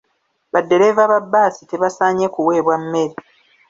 Baddereeva ba bbaasi tebasaanye kuweebwa mmere.